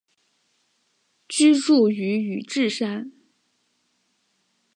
居住于宇治山。